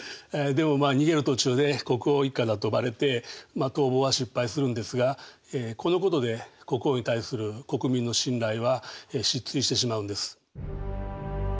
でも逃げる途中で国王一家だとバレて逃亡は失敗するんですがこのことで国王に対する国民の信頼は失墜してしまうんです。